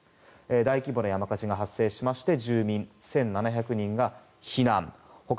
大規模な山火事が発生しまして住民１７００人が避難をしました。